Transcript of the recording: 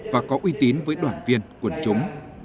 và có uy tín với đoàn viên quân chúng